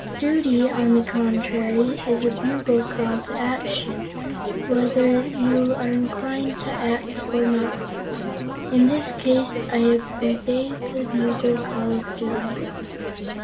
Duty, on the contrary, is a bugle call to action, whether you are inclined to act, or not. In this case, I obey the bugle call of duty."